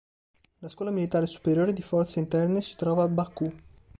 La Scuola militare superiore di forze interne si trova a Baku.